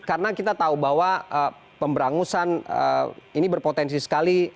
karena kita tahu bahwa pemberangusan ini berpotensi sekali